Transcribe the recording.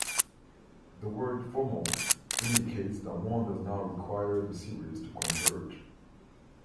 The word "formal" indicates that one does not require the series to converge.